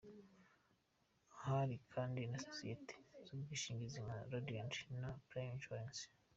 Hari kandi na sosiyete z’ubwishingizi nka Radiant na Prime Insurance.